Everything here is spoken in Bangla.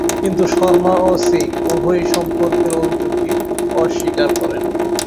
কিন্তু শর্মা ও সিং উভয়ই সম্পর্কের অভিযোগটি অস্বীকার করেন।